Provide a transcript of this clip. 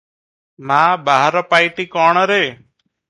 ମା - ବାହାର ପାଇଟି କଣ ରେ?